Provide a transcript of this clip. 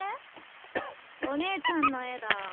お姉ちゃんの絵だ。